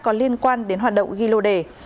có liên quan đến hoạt động ghi lô đề